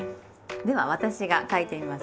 では私が書いてみますね。